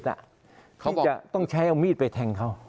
ที่จะต้องใช้เอามีดไปแทงเขา